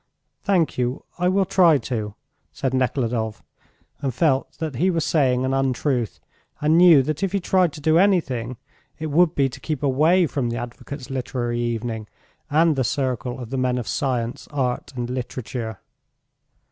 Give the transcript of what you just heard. "Thank you; I will try to," said Nekhludoff, and felt that he was saying an untruth, and knew that if he tried to do anything it would be to keep away froth the advocate's literary evening, and the circle of the men of science, art, and literature.